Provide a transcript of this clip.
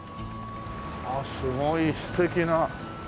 あっすごい素敵な。